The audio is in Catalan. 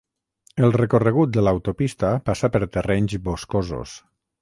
El recorregut de l'autopista passa per terrenys boscosos.